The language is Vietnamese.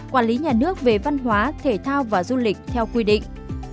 quản lý nhà nước về văn hóa thể thao và du lịch theo quy định